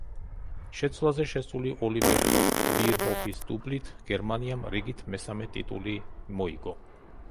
შეცვლაზე შესული ოლივერ ბირჰოფის დუბლით გერმანიამ რიგით მესამე ტიტული მოიგო.